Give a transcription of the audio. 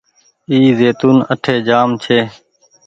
اي زيتونٚ اٺي جآم ڇي۔